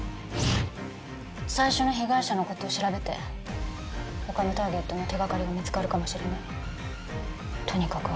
最初の被害者のことを調べて他のターゲットの手がかりが見つかるかもしれないとにかく